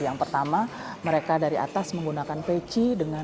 yang pertama mereka dari atas menggunakan peci dengan